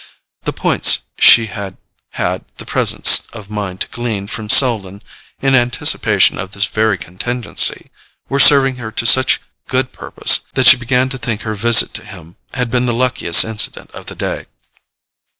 The "points" she had had the presence of mind to glean from Selden, in anticipation of this very contingency, were serving her to such good purpose that she began to think her visit to him had been the luckiest incident of the day.